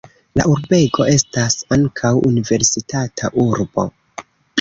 La urbego estas ankaŭ universitata urbo.